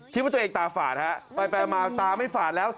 คิดว่าตัวเองตาฝาดฮะไปมาตาไม่ฝาดแล้ว